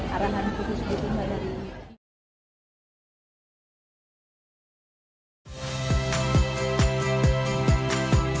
karena nggak disusul susul pada hari ini